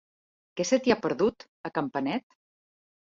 Què se t'hi ha perdut, a Campanet?